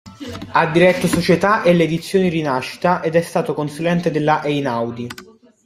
Ha diretto Società e le Edizioni Rinascita ed è stato consulente della Einaudi.